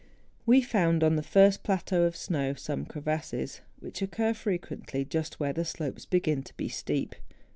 We found on the first plateau of snow some crevasses which occur frequently just where the slopes begin to be steep.